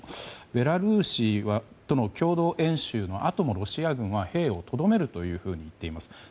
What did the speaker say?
ベラルーシとの共同演習のあともロシア軍は兵をとどめると言っています。